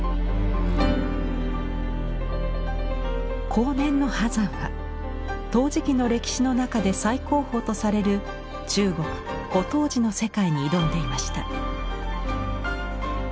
後年の波山は陶磁器の歴史の中で最高峰とされる中国古陶磁の世界に挑んでいました。